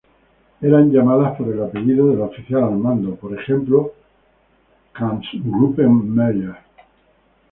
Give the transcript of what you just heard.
Eran llamadas por el apellido del oficial al mando, por ejemplo "Kampfgruppe Meyer".